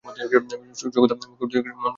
সুখদা মধুকৈবর্তের স্ত্রী, মনোহরলালের প্রজা।